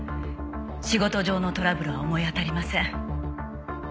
仕事上のトラブルは思い当たりません。